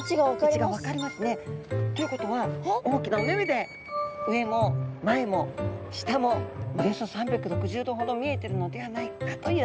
位置が分かりますね。ということは大きなお目々で上も前も下もおよそ３６０度ほど見えてるのではないかといわれています。